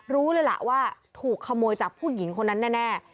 รู้เลยล่ะว่าถูกขโมยจากผู้หญิงคนนั้นแน่